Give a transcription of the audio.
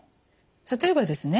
例えばですね